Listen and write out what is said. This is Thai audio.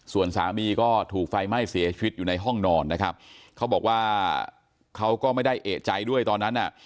ส่วนสามีก็ถูกไฟไหม้เสียชีวิตอยู่ในห้องนอนนะครับเขาบอกว่าเขาก็ไม่ได้เอกใจด้วยตอนนั้นอ่ะ